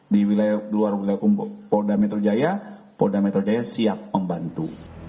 di wilayah luar wilayah polda metro jaya polda metro jaya siap membantu